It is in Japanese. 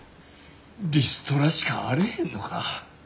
リストラしかあれへんのか。